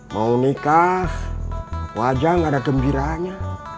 mau nikah wajah gak ada kembiranya